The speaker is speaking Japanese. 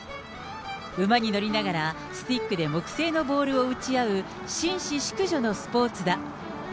馬に乗りながら、スティックで木製のボールを打ち合う紳士淑女のスポーツだ。